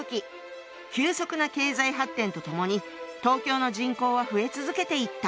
急速な経済発展とともに東京の人口は増え続けていった。